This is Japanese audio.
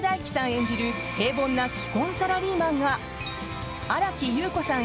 演じる平凡な既婚サラリーマンが新木優子さん